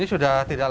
ini sudah terlihat